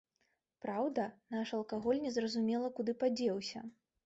Праўда, наш алкаголь незразумела куды падзеўся.